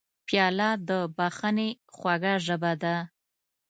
پیاله د بښنې خوږه ژبه ده.